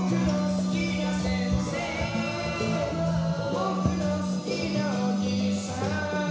「ぼくの好きなおじさん」